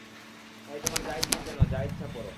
তাই, তোমার যা ইচ্ছে কেনো যা ইচ্ছে পরো।